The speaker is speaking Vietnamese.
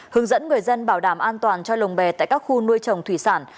hướng dẫn người dân bảo đảm an toàn cho lồng bè tại các khu nuôi trồng thủy sản